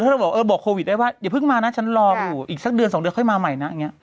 ถ้าเราบอกเออบอกโควิดได้ว่าอย่าเพิ่งมานะฉันรออยู่อีกสักเดือนสองเดือนค่อยมาใหม่นะอย่างนี้